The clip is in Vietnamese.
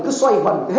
của bộ tôi của người tôi